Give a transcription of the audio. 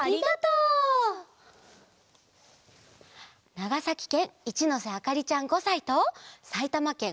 ながさきけんいちのせあかりちゃん５さいとさいたまけん